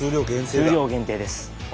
数量限定です。